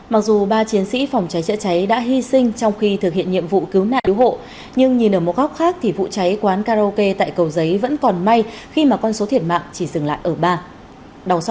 mặc dù ba chiến sĩ phòng cháy chữa cháy đã hy sinh trong khi thực hiện nhiệm vụ cứu nạn yếu hộ nhưng nhìn ở một góc khác thì vụ cháy quán karaoke tại cầu giấy vẫn còn may khi mà con số thiệt mạng chỉ dừng lại ở ba